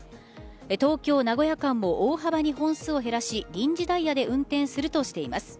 東京名古屋間も大幅に本数を減らし臨時ダイヤで運転するとしています。